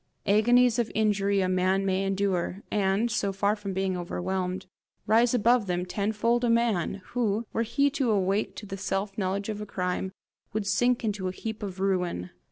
Agonies of injury a man may endure, and, so far from being overwhelmed, rise above them tenfold a man, who, were he to awake to the self knowledge of a crime, would sink into a heap of ruin.